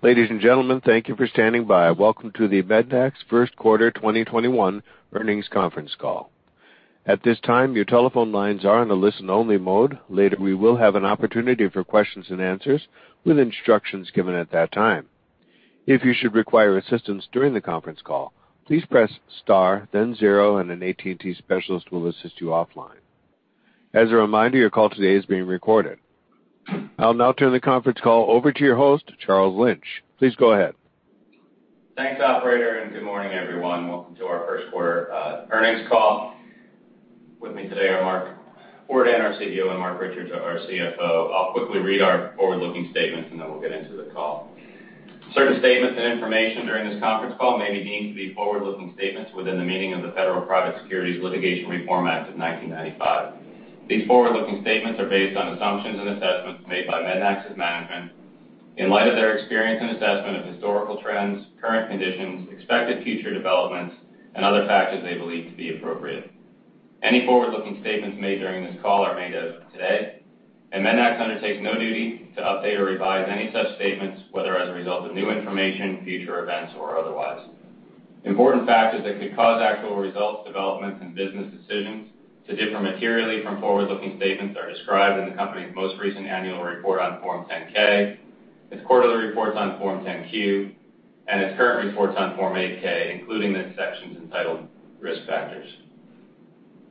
Ladies and gentlemen, thank you for standing by. Welcome to the MEDNAX First Quarter 2021 Earnings Conference Call. At this time, your telephone lines are in a listen only mode. Later, we will have an opportunity for questions and answers with instructions given at that time. If you should require assistance during the conference call, please press star then zero, and an AT&T specialist will assist you offline. As a reminder, your call today is being recorded. I'll now turn the conference call over to your host, Charles Lynch. Please go ahead. Thanks, operator, and good morning, everyone. Welcome to our first quarter earnings call. With me today are Mark Ordan, our CEO, and Marc Richards, our CFO. I'll quickly read our forward-looking statements, and then we'll get into the call. Certain statements and information during this conference call may be deemed to be forward-looking statements within the meaning of the Private Securities Litigation Reform Act of 1995. These forward-looking statements are based on assumptions and assessments made by MEDNAX's management in light of their experience and assessment of historical trends, current conditions, expected future developments, and other factors they believe to be appropriate. Any forward-looking statements made during this call are made as of today, and MEDNAX undertakes no duty to update or revise any such statements, whether as a result of new information, future events, or otherwise. Important factors that could cause actual results, developments, and business decisions to differ materially from forward-looking statements are described in the company's most recent annual report on Form 10-K, its quarterly reports on Form 10-Q, and its current reports on Form 8-K, including the sections entitled Risk Factors.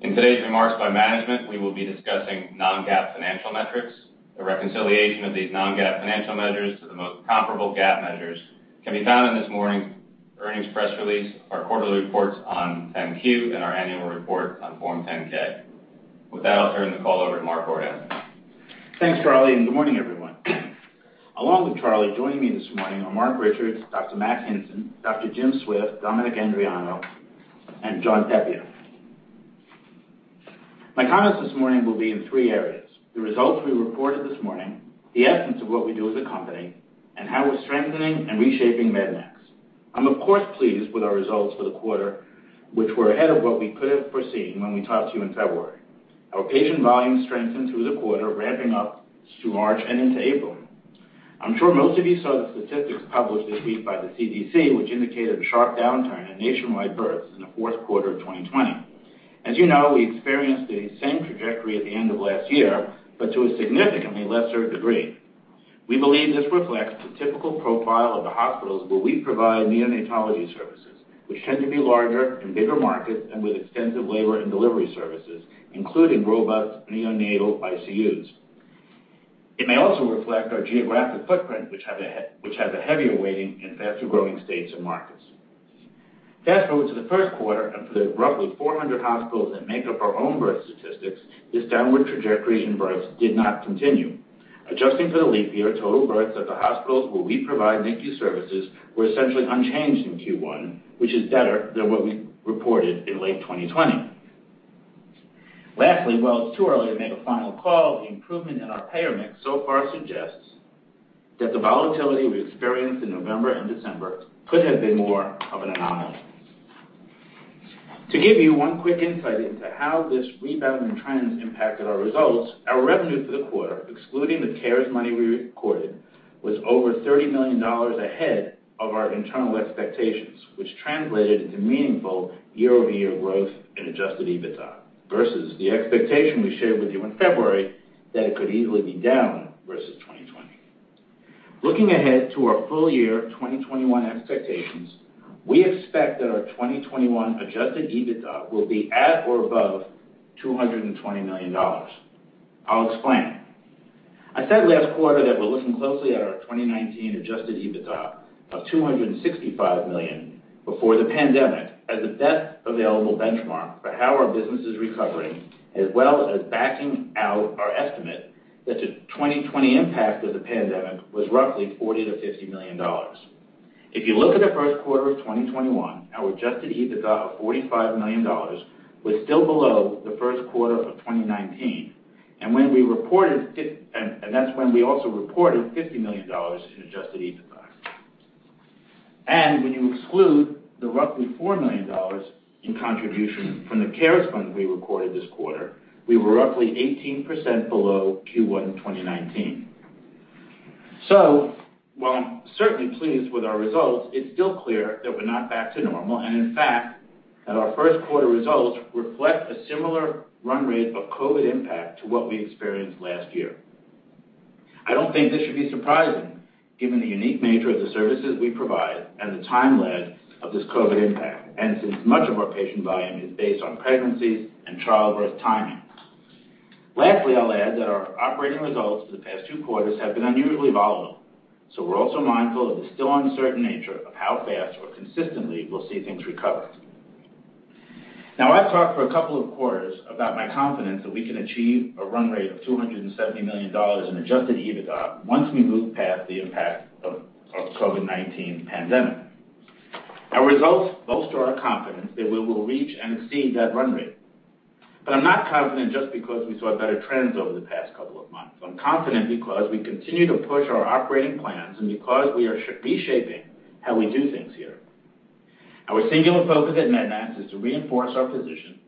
In today's remarks by management, we will be discussing non-GAAP financial metrics. A reconciliation of these non-GAAP financial measures to the most comparable GAAP measures can be found in this morning's earnings press release, our quarterly reports on 10-Q, and our annual report on Form 10-K. With that, I'll turn the call over to Mark Ordan. Thanks, Charlie, and good morning, everyone. Along with Charlie, joining me this morning are Marc Richards, Dr. Mack Hinson, Dr. Jim Swift, Dominic Andreano, and John Pepia. My comments this morning will be in three areas: the results we reported this morning, the essence of what we do as a company, and how we're strengthening and reshaping MEDNAX. I'm of course pleased with our results for the quarter, which were ahead of what we could have foreseen when we talked to you in February. Our patient volume strengthened through the quarter, ramping up through March and into April. I'm sure most of you saw the statistics published this week by the CDC, which indicated a sharp downturn in nationwide births in the fourth quarter of 2020. As you know, we experienced the same trajectory at the end of last year, but to a significantly lesser degree. We believe this reflects the typical profile of the hospitals where we provide neonatology services, which tend to be larger in bigger markets and with extensive labor and delivery services, including robust neonatal ICUs. It may also reflect our geographic footprint, which has a heavier weighting in faster-growing states and markets. Fast-forward to the first quarter, and for the roughly 400 hospitals that make up our own birth statistics, this downward trajectory in births did not continue. Adjusting for the leap year, total births at the hospitals where we provide NICU services were essentially unchanged in Q1, which is better than what we reported in late 2020. Lastly, while it's too early to make a final call, the improvement in our payer mix so far suggests that the volatility we experienced in November and December could have been more of an anomaly. To give you one quick insight into how this rebound in trends impacted our results, our revenue for the quarter, excluding the CARES money we recorded, was over $30 million ahead of our internal expectations, which translated into meaningful year-over-year growth in adjusted EBITDA, versus the expectation we shared with you in February that it could easily be down versus 2020. Looking ahead to our full year 2021 expectations, we expect that our 2021 adjusted EBITDA will be at or above $220 million. I will explain. I said last quarter that we are looking closely at our 2019 adjusted EBITDA of $265 million before the pandemic as the best available benchmark for how our business is recovering, as well as backing out our estimate that the 2020 impact of the pandemic was roughly $40 million-$50 million. If you look at the first quarter of 2021, our adjusted EBITDA of $45 million was still below the first quarter of 2019. That's when we also reported $50 million in adjusted EBITDA. When you exclude the roughly $4 million in contribution from the CARES fund we recorded this quarter, we were roughly 18% below Q1 2019. While I'm certainly pleased with our results, it's still clear that we're not back to normal and, in fact, that our first quarter results reflect a similar run rate of COVID impact to what we experienced last year. I don't think this should be surprising given the unique nature of the services we provide and the time lag of this COVID impact, and since much of our patient volume is based on pregnancies and childbirth timing. Lastly, I'll add that our operating results for the past two quarters have been unusually volatile, so we're also mindful of the still uncertain nature of how fast or consistently we'll see things recover. Now, I've talked for a couple of quarters about my confidence that we can achieve a run rate of $270 million in adjusted EBITDA once we move past the impact of COVID-19 pandemic. Our results bolster our confidence that we will reach and exceed that run rate. I'm not confident just because we saw better trends over the past couple of months. I'm confident because we continue to push our operating plans and because we are reshaping how we do things here. Our singular focus at MEDNAX is to reinforce our position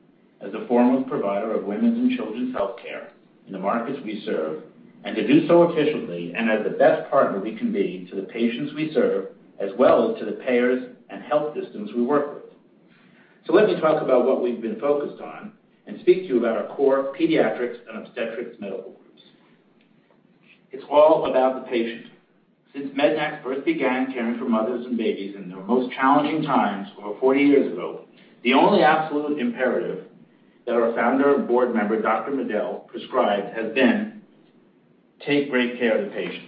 as the foremost provider of women's and children's healthcare in the markets we serve, and to do so efficiently and as the best partner we can be to the patients we serve, as well as to the payers and health systems we work with. Let me talk about what we've been focused on and speak to you about our core pediatrics and obstetrics medical groups. It's all about the patient. Since MEDNAX first began caring for mothers and babies in their most challenging times over 40 years ago, the only absolute imperative that our founder and board member, Dr. Medel, prescribed has been, take great care of the patient.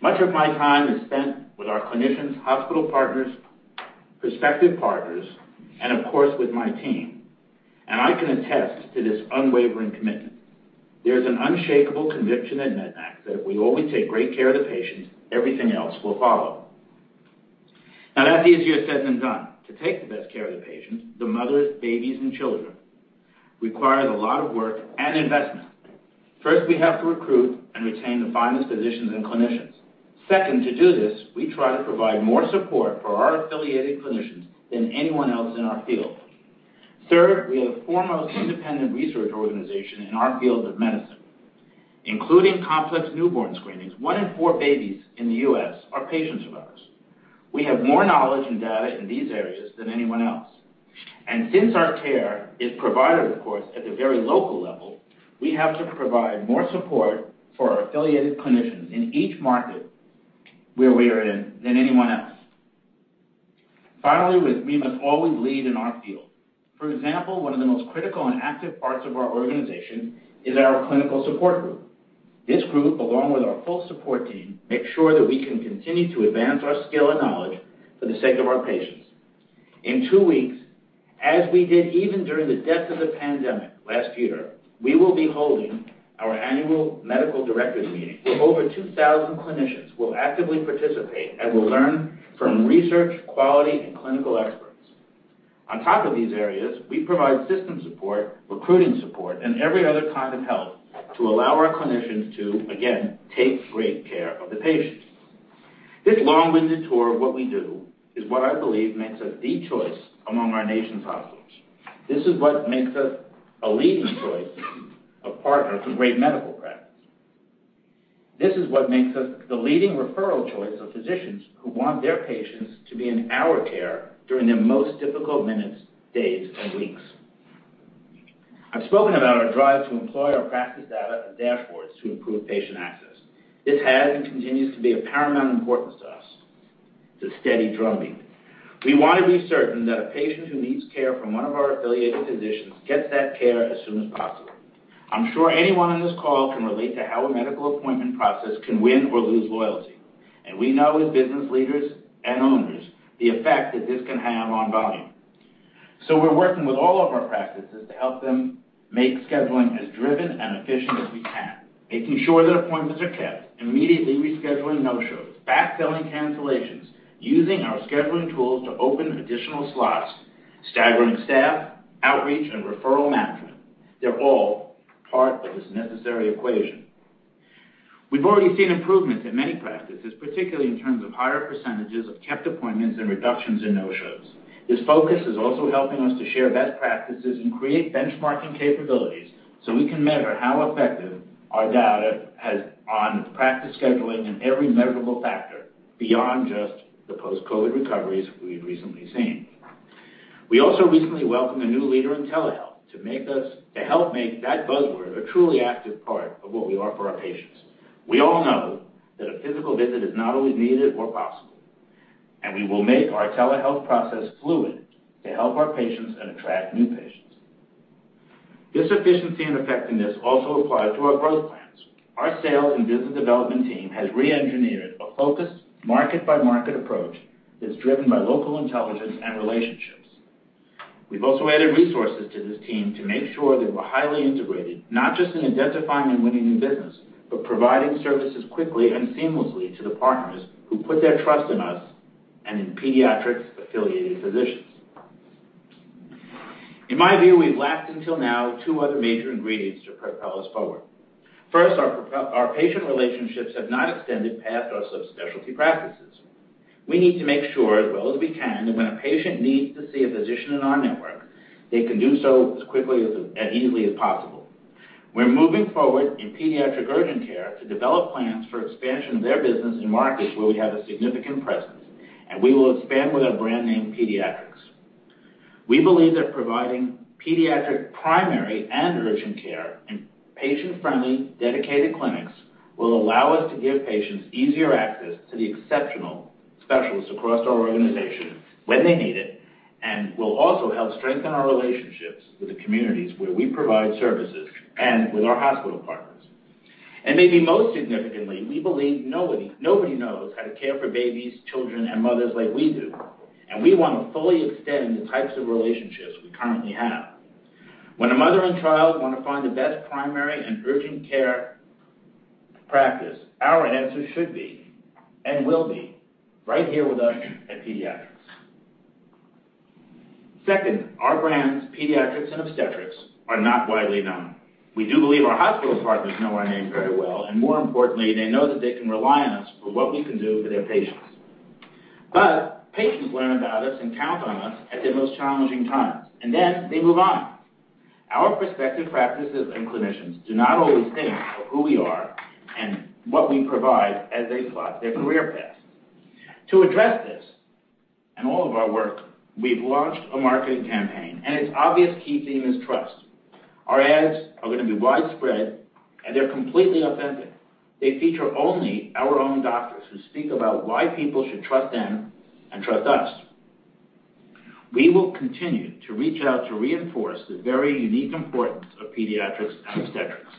Much of my time is spent with our clinicians, hospital partners, prospective partners, and of course, with my team. I can attest to this unwavering commitment. There is an unshakable conviction at MEDNAX that if we always take great care of the patient, everything else will follow. That's easier said than done. To take the best care of the patients, the mothers, babies, and children, requires a lot of work and investment. First, we have to recruit and retain the finest physicians and clinicians. Second, to do this, we try to provide more support for our affiliated clinicians than anyone else in our field. Third, we have the foremost independent research organization in our field of medicine, including complex newborn screenings. One in four babies in the U.S. are patients of ours. We have more knowledge and data in these areas than anyone else. Since our care is provided, of course, at the very local level, we have to provide more support for our affiliated clinicians in each market where we are in than anyone else. Finally, we must always lead in our field. For example, one of the most critical and active parts of our organization is our clinical support group. This group, along with our full support team, make sure that we can continue to advance our skill and knowledge for the sake of our patients. In two weeks, as we did even during the depth of the pandemic last year, we will be holding our annual medical directors meeting, where over 2,000 clinicians will actively participate and will learn from research, quality, and clinical experts. On top of these areas, we provide system support, recruiting support, and every other kind of help to allow our clinicians to, again, take great care of the patients. This long-winded tour of what we do is what I believe makes us the choice among our nation's hospitals. This is what makes us a leading choice of partner for great medical practice. This is what makes us the leading referral choice of physicians who want their patients to be in our care during their most difficult minutes, days, and weeks. I've spoken about our drive to employ our practice data and therefore to improve patient access. This has and continues to be of paramount importance to us. It's a steady drumbeat. We want to be certain that a patient who needs care from one of our affiliated physicians gets that care as soon as possible. I'm sure anyone on this call can relate to how a medical appointment process can win or lose loyalty, and we know as business leaders and owners the effect that this can have on volume. We're working with all of our practices to help them make scheduling as driven and efficient as we can. Making sure that appointments are kept, immediately rescheduling no-shows, backfilling cancellations, using our scheduling tools to open additional slots, staggering staff, outreach, and referral management. They're all part of this necessary equation. We've already seen improvements in many practices, particularly in terms of higher percentages of kept appointments and reductions in no-shows. This focus is also helping us to share best practices and create benchmarking capabilities so we can measure how effective our data has on practice scheduling and every measurable factor beyond just the post-COVID recoveries we've recently seen. We also recently welcomed a new leader in telehealth to help make that buzzword a truly active part of what we are for our patients. We all know that a physical visit is not always needed or possible, and we will make our telehealth process fluid to help our patients and attract new patients. This efficiency and effectiveness also applies to our growth plans. Our sales and business development team has re-engineered a focused market-by-market approach that's driven by local intelligence and relationships. We've also added resources to this team to make sure that we're highly integrated, not just in identifying and winning new business, but providing services quickly and seamlessly to the partners who put their trust in us and in Pediatrix-affiliated physicians. In my view, we've lacked until now two other major ingredients to propel us forward. First, our patient relationships have not extended past our subspecialty practices. We need to make sure as well as we can that when a patient needs to see a physician in our network, they can do so as quickly and easily as possible. We're moving forward in pediatric urgent care to develop plans for expansion of their business in markets where we have a significant presence, and we will expand with our brand name, Pediatrix. We believe that providing pediatric primary and urgent care in patient-friendly, dedicated clinics will allow us to give patients easier access to the exceptional specialists across our organization when they need it, and will also help strengthen our relationships with the communities where we provide services and with our hospital partners. Maybe most significantly, we believe nobody knows how to care for babies, children, and mothers like we do, and we want to fully extend the types of relationships we currently have. When a mother and child want to find the best primary and urgent care practice, our answer should be and will be right here with us at Pediatrix. Our brands, pediatrics and obstetrics, are not widely known. We do believe our hospital partners know our names very well, and more importantly, they know that they can rely on us for what we can do for their patients. Patients learn about us and count on us at their most challenging times, and then they move on. Our prospective practices and clinicians do not always think about who we are and what we provide as they plot their career paths. To address this, and all of our work, we've launched a marketing campaign, and its obvious key theme is trust. Our ads are going to be widespread, and they're completely authentic. They feature only our own doctors who speak about why people should trust them and trust us. We will continue to reach out to reinforce the very unique importance of pediatrics and obstetrics.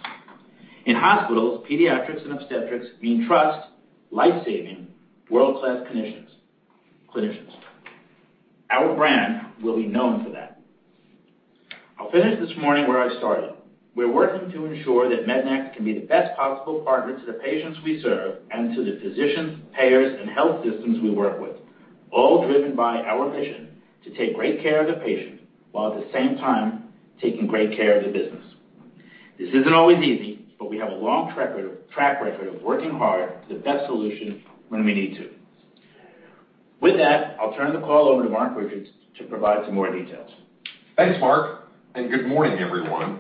In hospitals, pediatrics and obstetrics mean trust, life-saving, world-class clinicians. Our brand will be known for that. I'll finish this morning where I started. We're working to ensure that MEDNAX can be the best possible partner to the patients we serve and to the physicians, payers, and health systems we work with, all driven by our mission to take great care of the patient, while at the same time taking great care of the business. This isn't always easy, but we have a long track record of working hard for the best solution when we need to. With that, I'll turn the call over to Marc Richards to provide some more details. Thanks, Mark, good morning, everyone.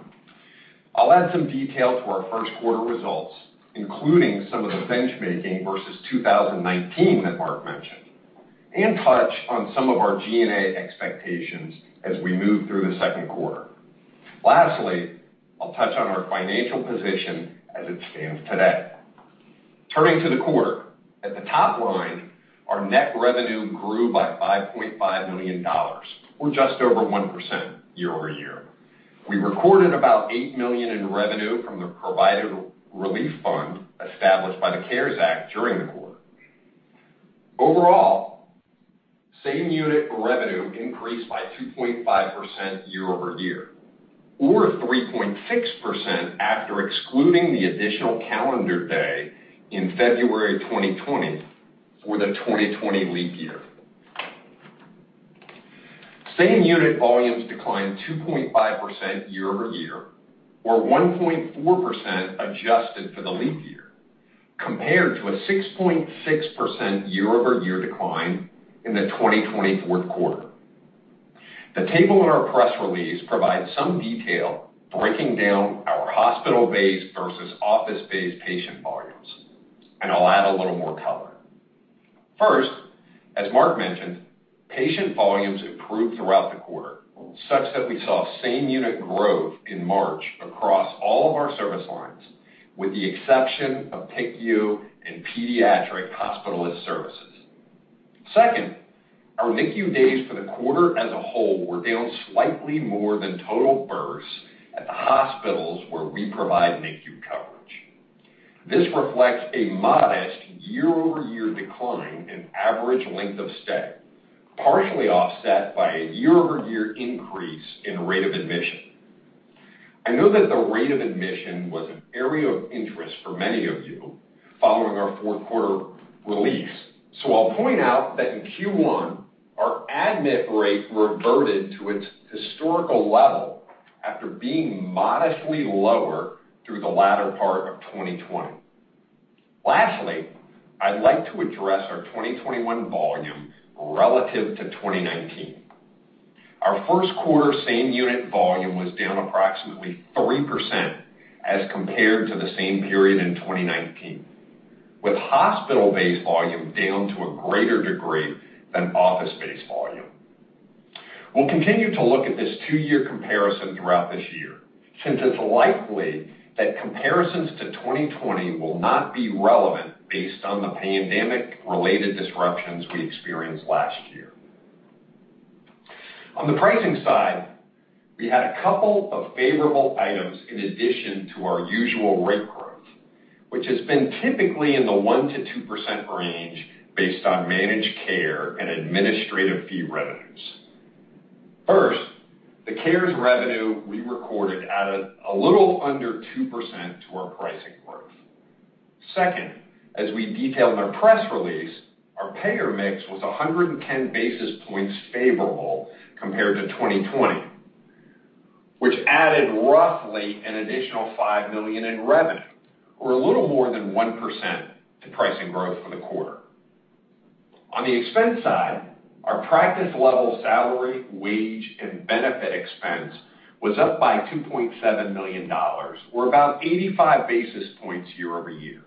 I'll add some detail to our first quarter results, including some of the benchmarking versus 2019 that Mark mentioned, and touch on some of our G&A expectations as we move through the second quarter. Lastly, I'll touch on our financial position as it stands today. Turning to the quarter, at the top line, our net revenue grew by $5.5 million, or just over 1% year-over-year. We recorded about $8 million in revenue from the Provider Relief Fund established by the CARES Act during the quarter. Overall, same unit revenue increased by 2.5% year-over-year, or 3.6% after excluding the additional calendar day in February 2020 for the 2020 leap year. Same unit volumes declined 2.5% year-over-year or 1.4% adjusted for the leap year, compared to a 6.6% year-over-year decline in the 2020 fourth quarter. The table in our press release provides some detail breaking down our hospital-based versus office-based patient volumes, and I'll add a little more color. First, as Marc mentioned, patient volumes improved throughout the quarter, such that we saw same unit growth in March across all of our service lines, with the exception of PICU and pediatric hospitalist services. Second, our NICU days for the quarter as a whole were down slightly more than total births at the hospitals where we provide NICU coverage. This reflects a modest year-over-year decline in average length of stay, partially offset by a year-over-year increase in rate of admission. I know that the rate of admission was an area of interest for many of you following our fourth quarter release. I'll point out that in Q1, our admit rate reverted to its historical level after being modestly lower through the latter part of 2020. Lastly, I'd like to address our 2021 volume relative to 2019. Our first quarter same unit volume was down approximately 3% as compared to the same period in 2019, with hospital-based volume down to a greater degree than office-based volume. We'll continue to look at this two-year comparison throughout this year, since it's likely that comparisons to 2020 will not be relevant based on the pandemic-related disruptions we experienced last year. On the pricing side, we had a couple of favorable items in addition to our usual rate growth, which has been typically in the 1%-2% range based on managed care and administrative fee revenues. First, the CARES revenue we recorded added a little under 2% to our pricing growth. Second, as we detailed in our press release, our payer mix was 110 basis points favorable compared to 2020, which added roughly an additional $5 million in revenue, or a little more than 1% to pricing growth for the quarter. On the expense side, our practice level salary, wage, and benefit expense was up by $2.7 million, or about 85 basis points year-over-year.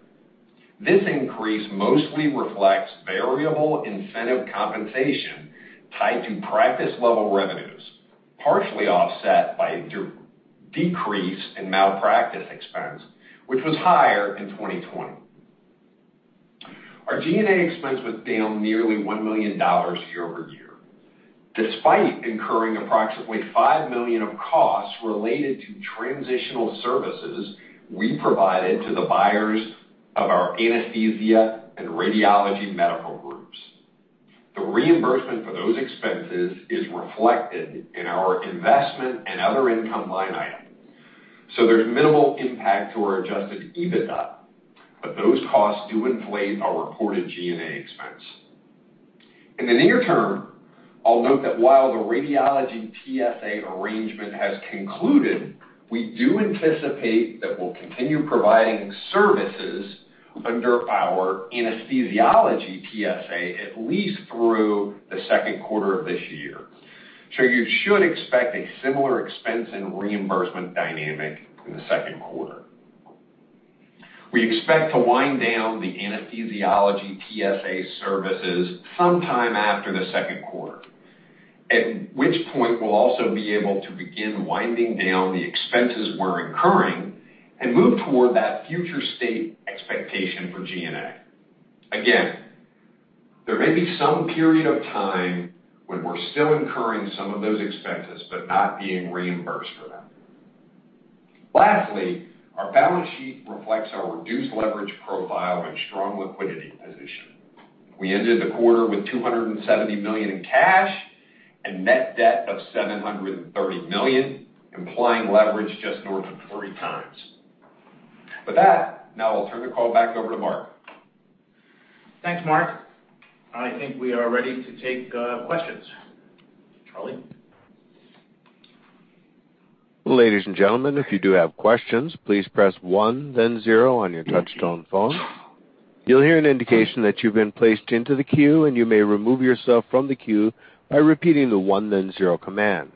This increase mostly reflects variable incentive compensation tied to practice level revenues, partially offset by decrease in malpractice expense, which was higher in 2020. Our G&A expense was down nearly $1 million year-over-year, despite incurring approximately $5 million of costs related to transitional services we provided to the buyers of our anesthesia and radiology medical groups. The reimbursement for those expenses is reflected in our investment and other income line item. There's minimal impact to our adjusted EBITDA, but those costs do inflate our reported G&A expense. In the near term, I'll note that while the radiology TSA arrangement has concluded, we do anticipate that we'll continue providing services under our anesthesiology TSA, at least through the second quarter of this year. You should expect a similar expense and reimbursement dynamic in the second quarter. We expect to wind down the anesthesiology TSA services sometime after the second quarter, at which point we'll also be able to begin winding down the expenses we're incurring and move toward that future state expectation for G&A. Again, there may be some period of time when we're still incurring some of those expenses, but not being reimbursed for them. Lastly, our balance sheet reflects our reduced leverage profile and strong liquidity position. We ended the quarter with $270 million in cash and net debt of $730 million, implying leverage just north of three times. With that, now I'll turn the call back over to Mark. Thanks, Marc. I think we are ready to take questions. Charlie? Ladies and gentlemen, if you do have questions please press one then zero on your touch-tone phone. You'll hear an indication that you've been placed into the queue, and you may remove yourself from the queue by repeating the one then zero command.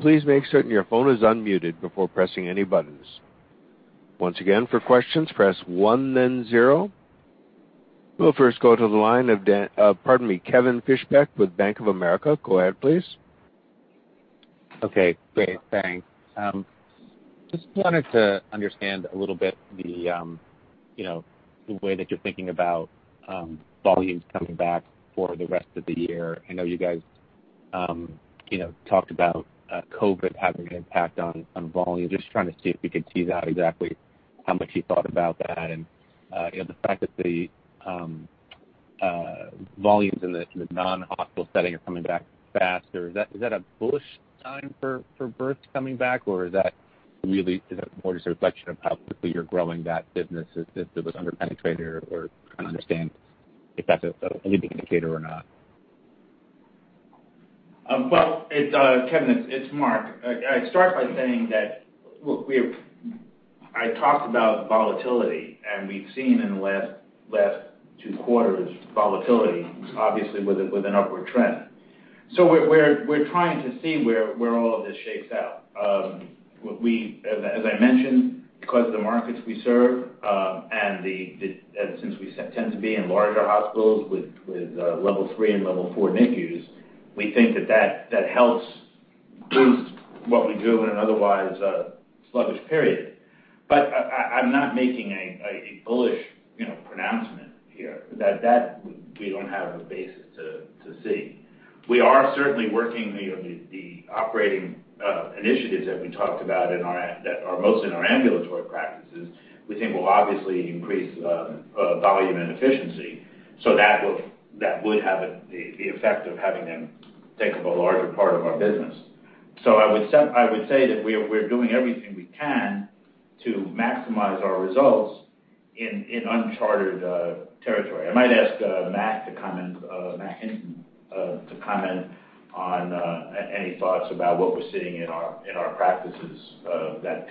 Please make sure your phone is unmuted before pressing any button. Once again, for questions press one then zero. Your first question comes from the line of, pardon me, Kevin Fischbeck with Bank of America. Go ahead, please. Okay, great. Thanks. Just wanted to understand a little bit the way that you're thinking about volumes coming back for the rest of the year. I know you guys talked about COVID having an impact on volume. Just trying to see if you could tease out exactly how much you thought about that and the fact that the volumes in the non-hospital setting are coming back faster. Is that a bullish sign for births coming back, or is that really just a reflection of how quickly you're growing that business if it was under-penetrated? Trying to understand if that's a leading indicator or not. Well, Kevin, it's Mark. I'd start by saying that, look, I talked about volatility, and we've seen in the last two quarters volatility, obviously with an upward trend. We're trying to see where all of this shakes out. As I mentioned, because of the markets we serve, and since we tend to be in larger hospitals with Level III and Level IV NICUs, we think that that helps boost what we do in an otherwise sluggish period. I'm not making a bullish pronouncement here. That we don't have a basis to see. We are certainly working the operating initiatives that we talked about that are mostly in our ambulatory practices, we think will obviously increase volume and efficiency. That would have the effect of having them take up a larger part of our business. I would say that we're doing everything we can to maximize our results in uncharted territory. I might ask Mack Hinson to comment on any thoughts about what we're seeing in our practices that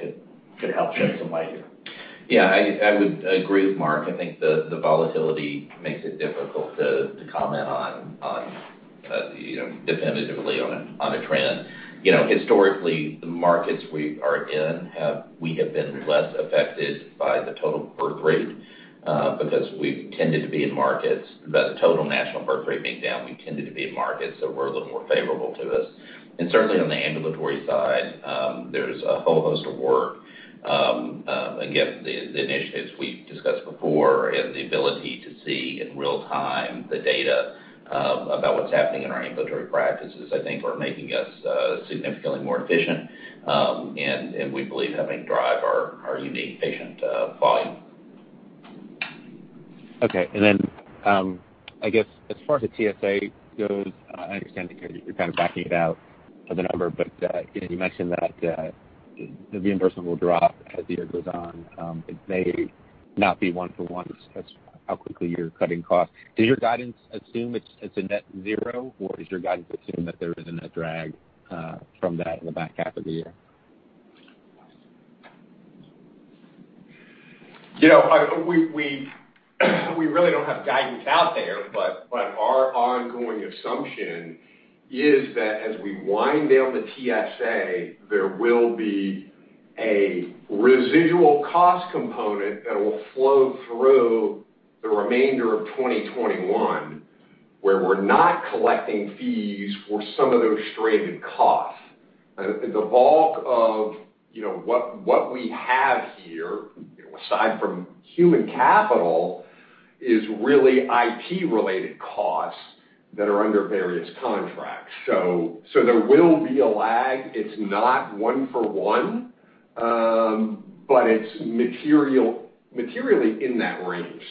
could help shed some light here. Yeah, I would agree with Mark. I think the volatility makes it difficult to comment on definitively on a trend. Historically, the markets we are in, we have been less affected by the total birth rate because The total national birth rate being down, we've tended to be in markets that were a little more favorable to us. Certainly on the ambulatory side, there's a whole host of work. Again, the initiatives we've discussed before and the ability to see in real-time the data about what's happening in our ambulatory practices, I think are making us significantly more efficient, and we believe that may drive our unique patient volume. Okay. I guess as far as the TSA goes, I understand you're kind of backing it out of the number, again, you mentioned that the reimbursement will drop as the year goes on. It may not be one for one. That's how quickly you're cutting costs. Does your guidance assume it's a net zero, or does your guidance assume that there is a net drag from that in the back half of the year? We really don't have guidance out there, but our ongoing assumption is that as we wind down the TSA, there will be a residual cost component that will flow through the remainder of 2021, where we're not collecting fees for some of those stranded costs. The bulk of what we have here, aside from human capital, is really IT-related costs that are under various contracts. There will be a lag. It's not one for one, but it's materially in that range.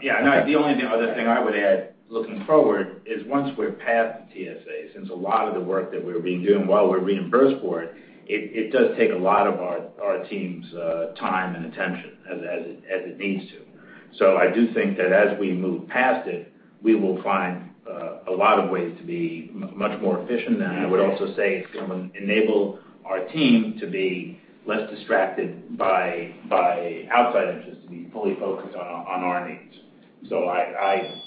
Yeah, no, the only other thing I would add looking forward is once we're past the TSA, since a lot of the work that we've been doing, while we're reimbursed for it does take a lot of our team's time and attention, as it needs to. I do think that as we move past it, we will find a lot of ways to be much more efficient then. I would also say it's going to enable our team to be less distracted by outside interests, to be fully focused on our needs.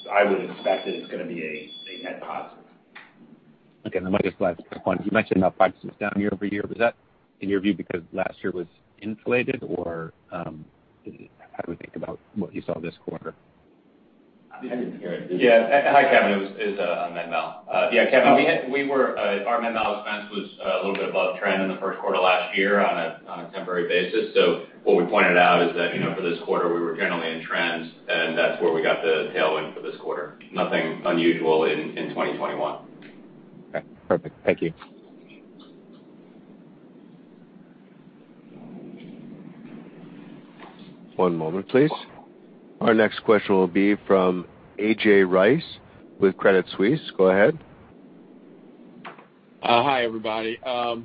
I would expect that it's going to be a net positive. Okay, I might as well ask a quick one. You mentioned about 5% down year-over-year. Was that in your view because last year was inflated, or how do we think about what you saw this quarter? I didn't hear it. Yeah. Hi, Kevin. Is that on that now. Yeah, Kevin, our mal expense was a little bit above trend in the first quarter last year on a temporary basis. What we pointed out is that, for this quarter, we were generally in trends, and that's where we got the tailwind for this quarter. Nothing unusual in 2021. Okay, perfect. Thank you. One moment, please. Our next question will be from A.J. Rice with Credit Suisse. Go ahead. Hi, everybody. A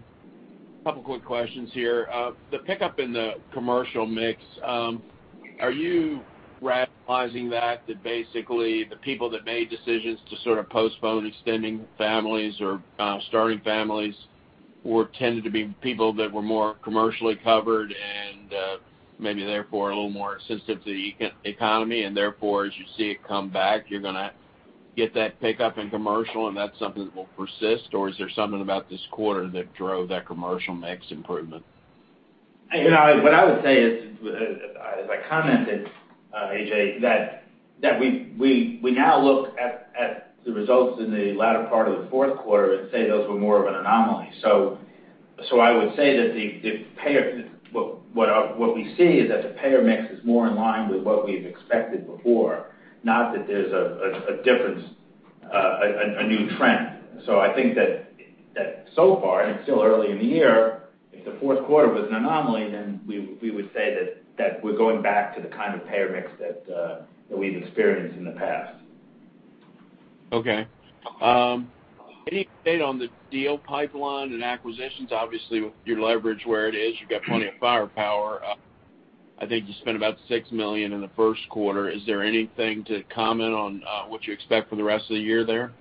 couple of quick questions here. The pickup in the commercial mix, are you rationalizing that basically the people that made decisions to sort of postpone extending families or starting families tended to be people that were more commercially covered and maybe therefore a little more sensitive to the economy and therefore, as you see it come back, you're going to get that pickup in commercial, and that's something that will persist? Or is there something about this quarter that drove that commercial mix improvement? What I would say is, as I commented, A.J., that we now look at the results in the latter part of the fourth quarter and say those were more of an anomaly. I would say that what we see is that the payer mix is more in line with what we've expected before, not that there's a difference, a new trend. I think that so far, and it's still early in the year, if the fourth quarter was an anomaly, then we would say that we're going back to the kind of payer mix that we've experienced in the past. Okay. Any update on the deal pipeline and acquisitions? Obviously, with your leverage where it is, you've got plenty of firepower. I think you spent about $6 million in the first quarter. Is there anything to comment on what you expect for the rest of the year there? Yeah.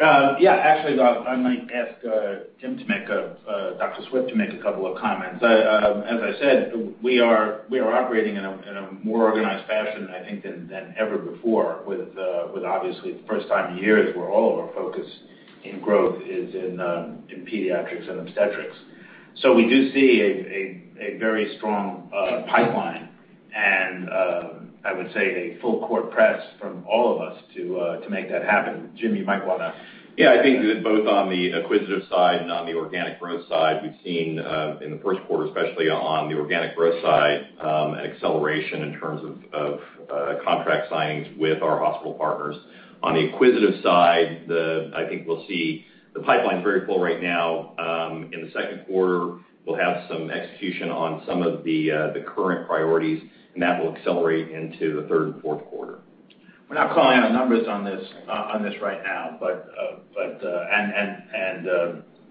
Actually, I might ask Jim, Dr. Swift to make a couple of comments. As I said, we are operating in a more organized fashion, I think, than ever before with obviously the first time in years where all of our focus in growth is in pediatrics and obstetrics. We do see a very strong pipeline, and I would say a full-court press from all of us to make that happen. Jim, you might want to- Yeah, I think that both on the acquisitive side and on the organic growth side, we've seen, in the first quarter, especially on the organic growth side, an acceleration in terms of contract signings with our hospital partners. On the acquisitive side, I think we'll see the pipeline's very full right now. In the second quarter, we'll have some execution on some of the current priorities, and that will accelerate into the third and fourth quarter. We're not calling out numbers on this right now.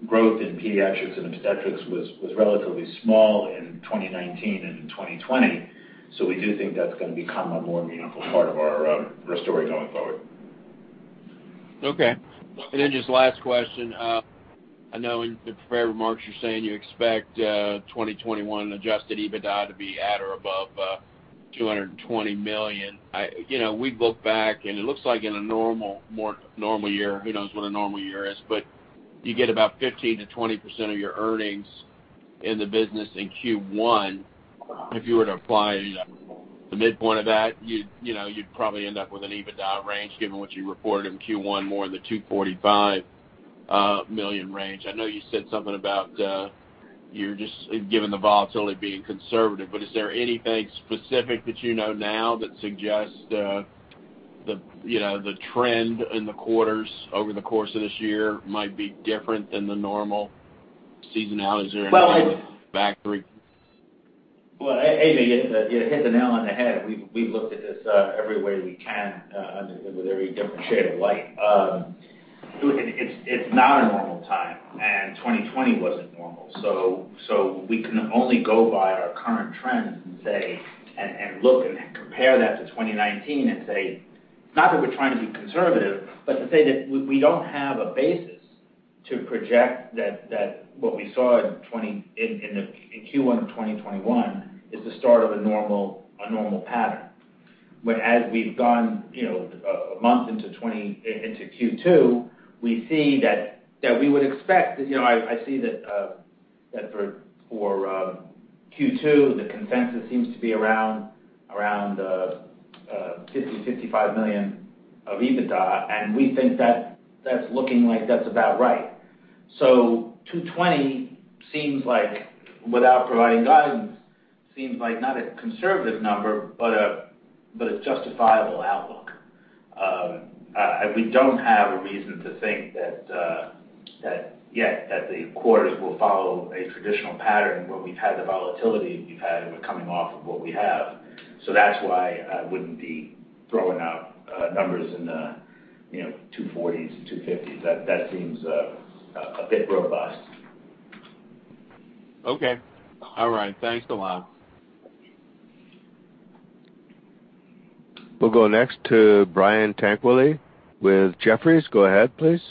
Growth in pediatrics and obstetrics was relatively small in 2019 and in 2020. We do think that's going to become a more meaningful part of our story going forward. Okay. Just last question. I know in the prepared remarks, you're saying you expect 2021 adjusted EBITDA to be at or above $220 million. We look back, and it looks like in a more normal year, who knows what a normal year is, you get about 15%-20% of your earnings in the business in Q1. If you were to apply the midpoint of that, you'd probably end up with an EBITDA range, given what you reported in Q1, more in the $245 million range. I know you said something about you're just giving the volatility being conservative, is there anything specific that you know now that suggests the trend in the quarters over the course of this year might be different than the normal seasonality or anything factoring? Well, A.J., you hit the nail on the head. We've looked at this every way we can under with every different shade of light. It's not a normal time, and 2020 wasn't normal. We can only go by our current trends and say, and look and compare that to 2019 and say, not that we're trying to be conservative, but to say that we don't have a basis to project that what we saw in Q1 of 2021 is the start of a normal pattern. As we've gone a month into Q2, I see that for Q2, the consensus seems to be around $50 million, $55 million of EBITDA, and we think that's looking like that's about right. $220 million, without providing guidance, seems like not a conservative number, but a justifiable outlook. We don't have a reason to think that yet that the quarters will follow a traditional pattern where we've had the volatility we've had, and we're coming off of what we have. That's why I wouldn't be throwing out numbers in the 240s and 250s. That seems a bit robust. Okay. All right. Thanks a lot. We'll go next to Brian Tanquilut with Jefferies. Go ahead, please.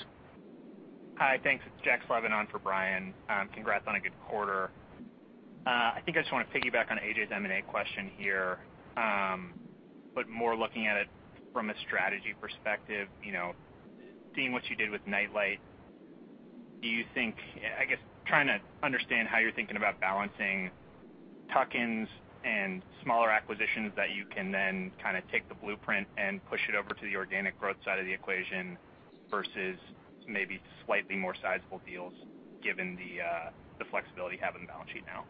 Hi. Thanks. It's Jack Slevin on for Brian. Congrats on a good quarter. I think I just want to piggyback on A.J.'s M&A question here. More looking at it from a strategy perspective, seeing what you did with NightLight. I guess, trying to understand how you're thinking about balancing tuck-ins and smaller acquisitions that you can then take the blueprint and push it over to the organic growth side of the equation versus maybe slightly more sizable deals, given the flexibility you have on the balance sheet now.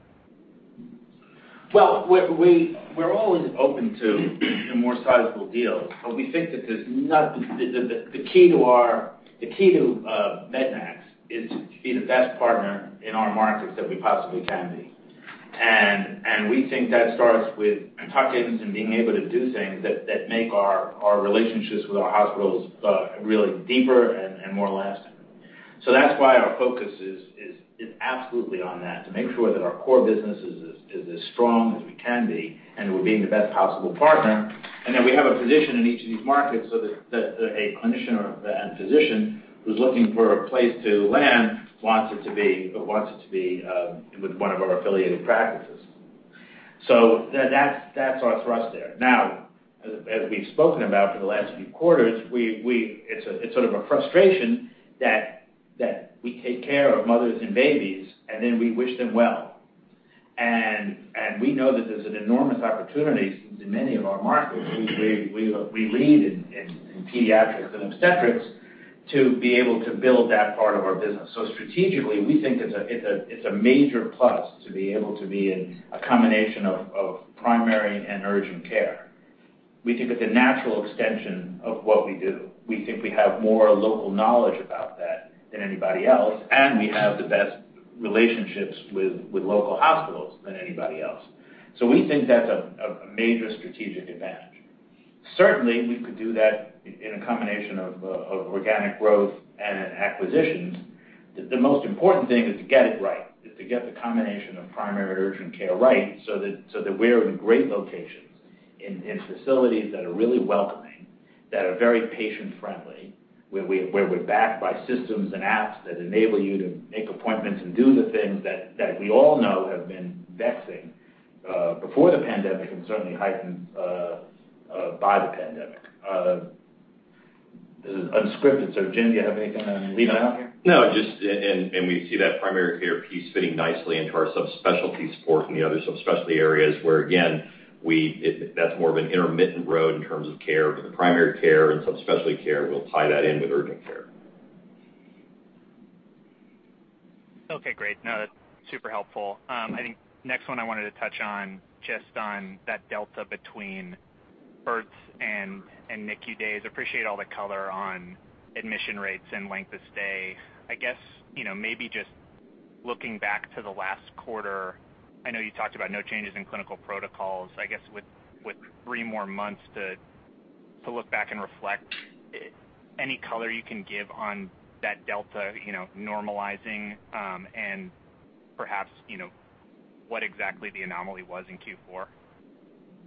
Well, we're always open to more sizable deals. The key to MEDNAX is to be the best partner in our markets that we possibly can be. We think that starts with tuck-ins and being able to do things that make our relationships with our hospitals really deeper and more lasting. That's why our focus is absolutely on that, to make sure that our core business is as strong as we can be and we're being the best possible partner, and that we have a physician in each of these markets so that a clinician or a physician who's looking for a place to land wants it to be with one of our affiliated practices. That's our thrust there. As we've spoken about for the last few quarters, it's sort of a frustration that we take care of mothers and babies, and then we wish them well. We know that there's an enormous opportunity in many of our markets, we lead in pediatrics and obstetrics, to be able to build that part of our business. Strategically, we think it's a major plus to be able to be in a combination of primary and urgent care. We think it's a natural extension of what we do. We think we have more local knowledge about that than anybody else, and we have the best relationships with local hospitals than anybody else. We think that's a major strategic advantage. Certainly, we could do that in a combination of organic growth and acquisitions. The most important thing is to get it right, is to get the combination of primary to urgent care right so that we're in great locations, in facilities that are really welcoming, that are very patient-friendly, where we're backed by systems and apps that enable you to make appointments and do the things that we all know have been vexing before the pandemic, and certainly heightened by the pandemic. This is unscripted. Jim, do you have anything to leave out here? No. We see that primary care piece fitting nicely into our subspecialty support and the other subspecialty areas where, again, that's more of an intermittent road in terms of care. The primary care and subspecialty care, we'll tie that in with urgent care. Okay, great. That's super helpful. Next one I wanted to touch on just on that delta between births and NICU days. Appreciate all the color on admission rates and length of stay. Maybe just looking back to the last quarter, you talked about no changes in clinical protocols. With three more months to look back and reflect, any color you can give on that delta normalizing, and perhaps, what exactly the anomaly was in Q4?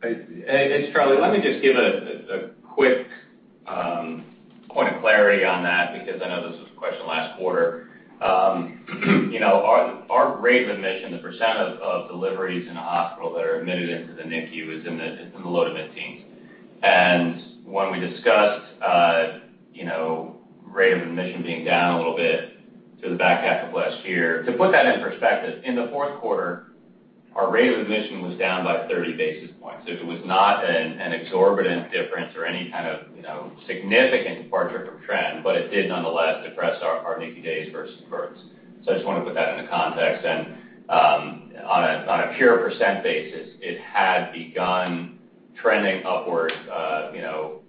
It's Charlie. Let me just give a quick point of clarity on that, because I know this was a question last quarter. Our rate of admission, the percent of deliveries in a hospital that are admitted into the NICU is in the low to mid-teens. When we discussed rate of admission being down a little bit to the back half of last year, to put that in perspective, in the fourth quarter, our rate of admission was down by 30 basis points. It was not an exorbitant difference or any kind of significant departure from trend, but it did nonetheless depress our NICU days versus births. I just want to put that into context. On a pure percent basis, it had begun trending upward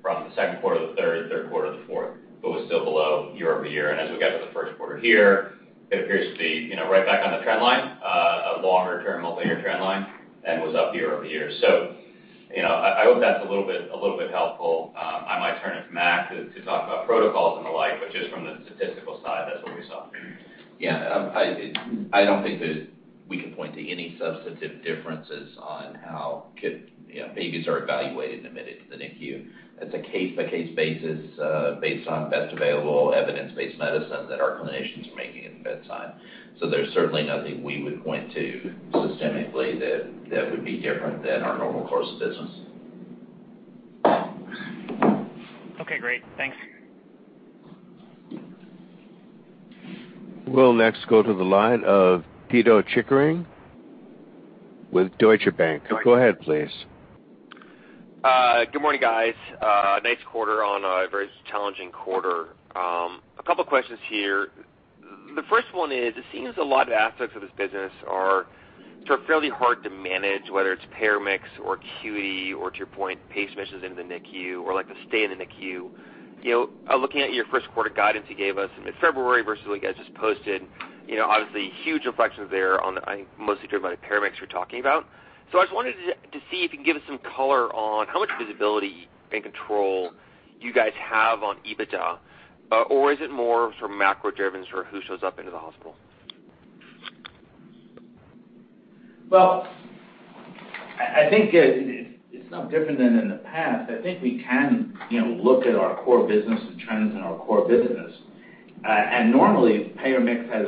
from the second quarter to the third quarter to the fourth, but was still below year-over-year. As we got to the first quarter here, it appears to be right back on the trend line, a longer-term, multi-year trend line, and was up year-over-year. I hope that's a little bit helpful. I might turn it to Mack to talk about protocols and the like, but just from the statistical side, that's what we saw. Yeah. I don't think that we can point to any substantive differences on how babies are evaluated and admitted to the NICU. It's a case-by-case basis, based on best available evidence-based medicine that our clinicians are making in bedside. There's certainly nothing we would point to systemically that would be different than our normal course of business. Okay, great. Thanks. We'll next go to the line of Pito Chickering with Deutsche Bank. Go ahead, please. Good morning, guys. Nice quarter on a very challenging quarter. A couple of questions here. The first one is, it seems a lot of aspects of this business are fairly hard to manage, whether it's payer mix or acuity or, to your point, pace mixes into the NICU or the stay in the NICU. Looking at your first quarter guidance you gave us in mid-February versus what you guys just posted, obviously huge reflections there on, I think, mostly driven by the payer mix you're talking about. I just wanted to see if you can give us some color on how much visibility and control you guys have on EBITDA, or is it more macro-driven for who shows up into the hospital? Well, I think it's no different than in the past. I think we can look at our core business, the trends in our core business. Normally, payer mix has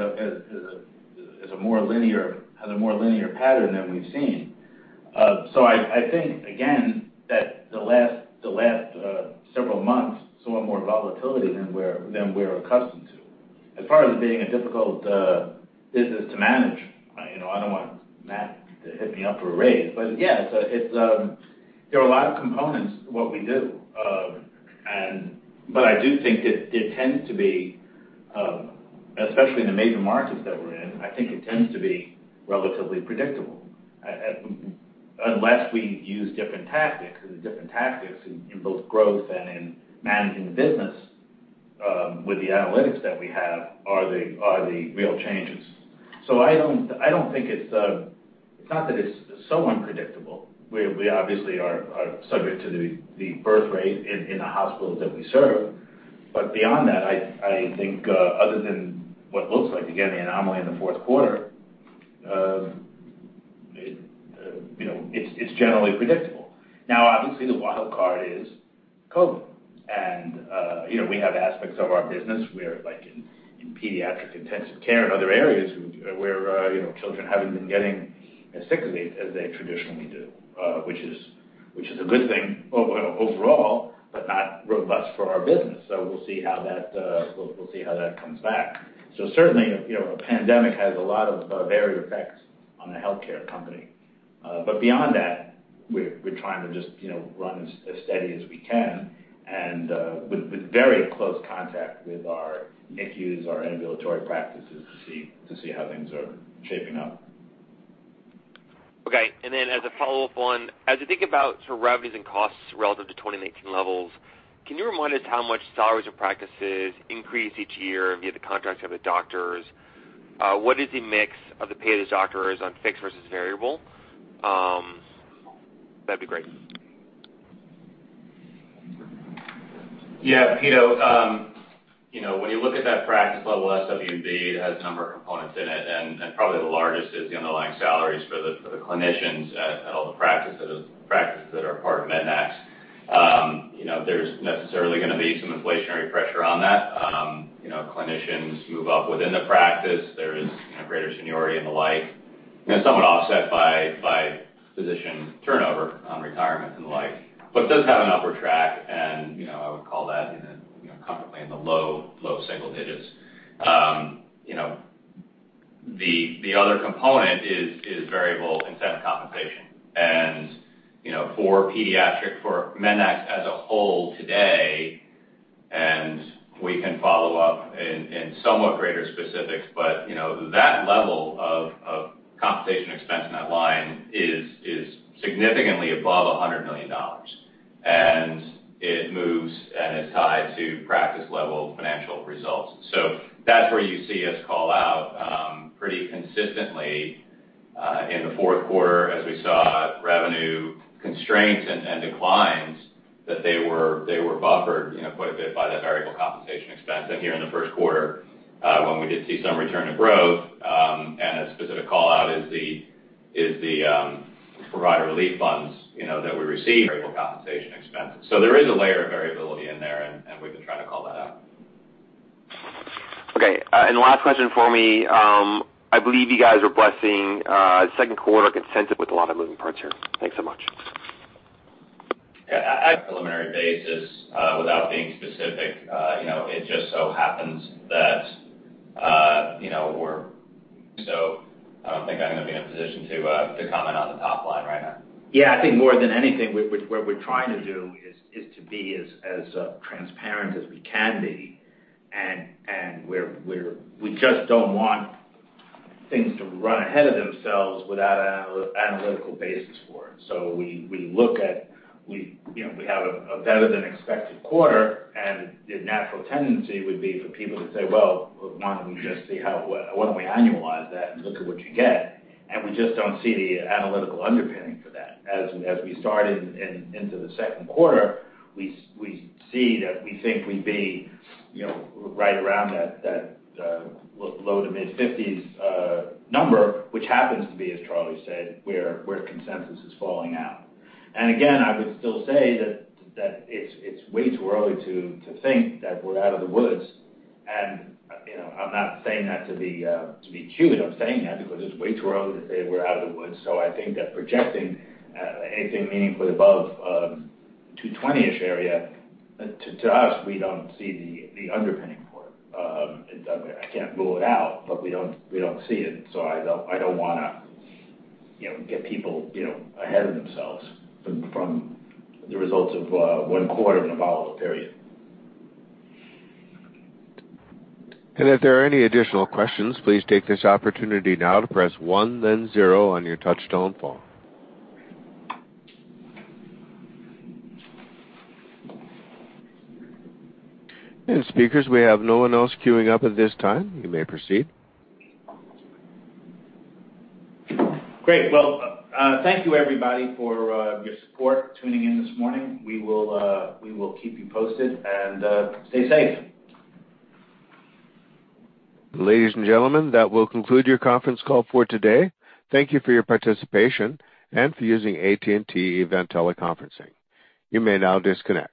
a more linear pattern than we've seen. I think, again, that the last several months, saw more volatility than we're accustomed to. As far as it being a difficult business to manage, I don't want Mack to hit me up for a raise, but yeah, there are a lot of components to what we do. I do think it tends to be, especially in the major markets that we're in, I think it tends to be relatively predictable. Unless we use different tactics, because the different tactics in both growth and in managing the business with the analytics that we have are the real changes. It's not that it's so unpredictable. We obviously are subject to the birthrate in the hospitals that we serve. Beyond that, I think other than what looks like, again, the anomaly in the fourth quarter, it's generally predictable. Obviously, the wild card is COVID. We have aspects of our business where, like in pediatric intensive care and other areas, where children haven't been getting as sick as they traditionally do, which is a good thing overall, but not robust for our business. We'll see how that comes back. Certainly, a pandemic has a lot of varied effects on a healthcare company. Beyond that, we're trying to just run as steady as we can and with very close contact with our NICUs, our ambulatory practices to see how things are shaping up. As a follow-up on, as you think about revenues and costs relative to 2019 levels, can you remind us how much salaries and practices increase each year via the contracts you have with doctors? What is the mix of the pay the doctors on fixed versus variable? That'd be great. Yeah, Pito, when you look at that practice level, SW&B, it has a number of components in it. Probably the largest is the underlying salaries for the clinicians at all the practices that are part of MEDNAX. There's necessarily going to be some inflationary pressure on that. Clinicians move up within the practice. There is greater seniority and the like, somewhat offset by physician turnover on retirement and the like. It does have an upper track, and I would call that comfortably in the low single digits. The other component is variable incentive compensation. For MEDNAX as a whole today, and we can follow up in somewhat greater specifics, that level of compensation expense in that line is significantly above $100 million. It moves and is tied to practice-level financial results. That's where you see us call out pretty consistently, in the fourth quarter, as we saw revenue constraints and declines, that they were buffered quite a bit by that variable compensation expense. Here in the first quarter, when we did see some return of growth, and a specific call-out is the Provider Relief Fund that we received, variable compensation expenses. There is a layer of variability in there, and we've been trying to call that out. Okay. The last question for me, I believe you guys are blessing second quarter consensus with a lot of moving parts here. Thanks so much. Yeah. A preliminary basis, without being specific, it just so happens that we're. I don't think I'm going to be in a position to comment on the top line right now. Yeah, I think more than anything, what we're trying to do is to be as transparent as we can be, and we just don't want things to run ahead of themselves without an analytical basis for it. We have a better-than-expected quarter, and the natural tendency would be for people to say, "Well, why don't we annualize that and look at what you get?" We just don't see the analytical underpinning for that. As we start into the second quarter, we see that we think we'd be right around that low to mid-50s number, which happens to be, as Charlie said, where consensus is falling out. Again, I would still say that it's way too early to think that we're out of the woods. I'm not saying that to be cute. I'm saying that because it's way too early to say we're out of the woods. I think that projecting anything meaningfully above 220-ish area, to us, we don't see the underpinning for it. I can't rule it out, but we don't see it, so I don't want to get people ahead of themselves from the results of one quarter in a volatile period. If there are any additional questions, please take this opportunity now to press one, then zero on your touchtone phone. Speakers, we have no one else queuing up at this time. You may proceed. Great. Thank you everybody for your support tuning in this morning. We will keep you posted, and stay safe. Ladies and gentlemen, that will conclude your conference call for today. Thank you for your participation and for using AT&T Event Teleconferencing. You may now disconnect.